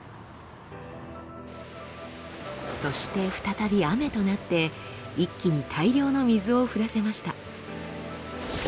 そして再び雨となって一気に大量の水を降らせました。